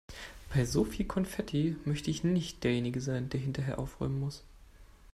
Bei so viel Konfetti möchte ich nicht derjenige sein, der hinterher aufräumen muss.